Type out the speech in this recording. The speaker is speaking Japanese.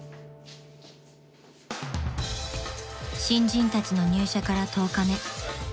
［新人たちの入社から１０日目］